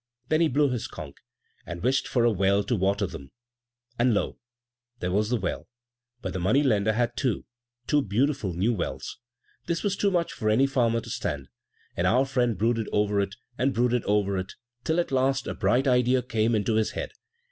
Then he blew his conch, and wished for a well to water them, and lo! there was the well, but the money lender had two! two beautiful new wells! This was too much for any farmer to stand; and our friend brooded over it, and brooded over it, till at last a bright idea came into his head.